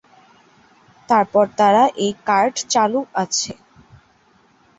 তারপর তারা এই কার্ড চালু আছে।